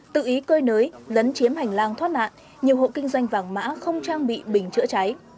tự ý cơi nới lấn chiếm hành lang thoát nạn nhiều hộ kinh doanh vàng mã không trang bị bình chữa cháy